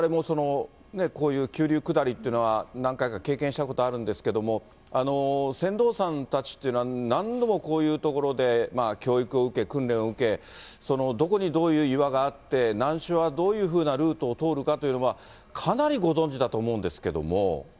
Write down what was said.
われわれもこういう急流下りってのは、何回か経験したことあるんですけれども、船頭さんたちというのは、何度もこういうところで教育を受け、訓練を受け、どこにどういう岩があって、難所はどういうふうなルートを通るかというのは、かなりご存じだと思うんですけれども。